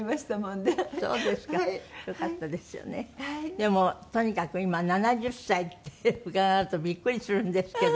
でもとにかく今７０歳って伺うとビックリするんですけど。